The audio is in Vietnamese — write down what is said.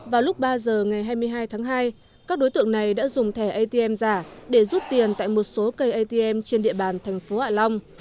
vào lúc ba giờ ngày hai mươi hai tháng hai các đối tượng này đã dùng thẻ atm giả để rút tiền tại một số cây atm trên địa bàn thành phố hạ long